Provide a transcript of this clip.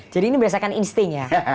jadi ini berdasarkan insting ya